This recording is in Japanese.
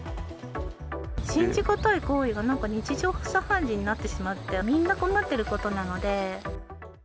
信じ難い行為が、なんか日常茶飯事になってしまって、みんな困っていることなので。